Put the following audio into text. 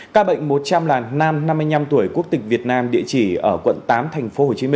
ca bệnh một trăm linh là nam năm mươi năm tuổi quốc tịch việt nam địa chỉ ở quận tám tp hcm